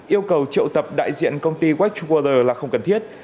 yêu cầu triệu tập đại diện công ty wexwater là không cần thiết